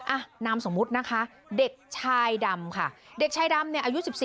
อ่ะนามสมมุตินะคะเด็กชายดำค่ะเด็กชายดำเนี้ยอายุสิบสี่ปีนะคะ